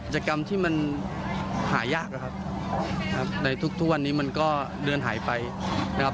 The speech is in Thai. กรรมที่มันหายากนะครับในทุกวันนี้มันก็เดินหายไปนะครับ